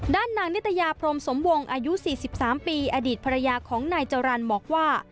ด้านนางนิตยาพรมสมวงอายุ๔๓ปีอดีตภรรยาของนายจรรย์บอกว่า